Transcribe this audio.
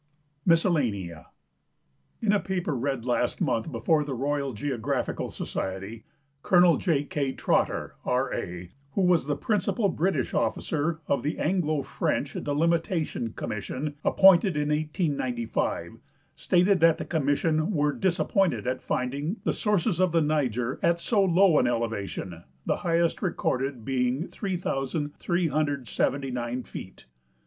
MISCELLANEA In a paper read last month before the Royal (leograpliical Society, Col. J. K. Trotter, R. A., who was the principal British offii'er of the Anglo French Delimitation Commission appointed in 1895, i^tated that tlu> com mission were disappointed at finding the sources of the Niger at so low an elevation, the highest recorded being 3,879 feet.